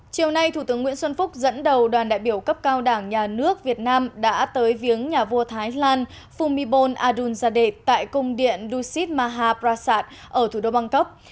chiều nay thủ tướng nguyễn xuân phúc dẫn đầu đoàn đại biểu cấp cao đảng nhà nước việt nam đã tới viếng nhà vua thái lan phumibol adunzadeh tại cung điện dusit maha prasad ở thủ đô bangkok